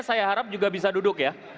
saya harap juga bisa duduk ya